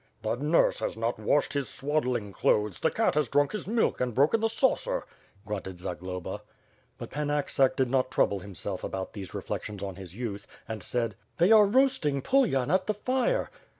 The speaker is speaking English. "The nurse has not washed his swaddling clothes; the cat has drunk his milk and broken the saucer," grunted Zagloba. But Pan Aksak did not trouble himself about these reflec tions on his youth, and said: "They are roasting Pulyan at the fire.